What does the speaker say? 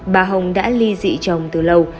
bà hồng đã ly dị chồng từ lâu